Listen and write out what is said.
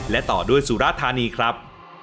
และต่อด้วยสุราธานีครับ